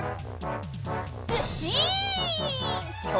ずっしん！